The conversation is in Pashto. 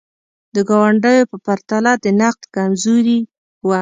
د ګاونډیو په پرتله د نقد کمزوري وه.